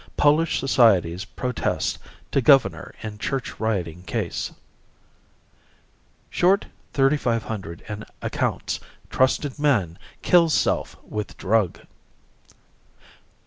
Polish Societies Protest to Governor in Church Rioting Case." "Short $3,500 in Accounts, Trusted Man Kills Self with Drug."